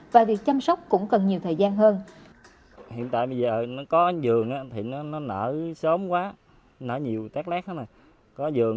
và việc chăm sóc cũng cần nhiều thời gian hơn